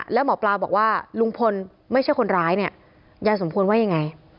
แล้วหมอปลาบอกว่าลุงพลไม่ใช่คนร้ายเนี่ยยายสมควรว่ายังไง